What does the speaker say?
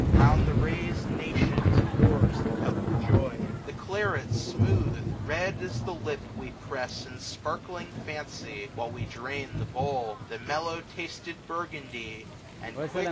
Round the rais'd nations pours the cup of joy : 700 The claret smooth, red as the lip we press In sparkling fancy, while we drain the bowl ; The mellow tasted burgundy ; and quick.